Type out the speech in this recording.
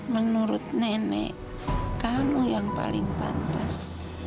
menurut nenek kamu yang paling pantas